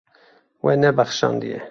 We nebexşandiye.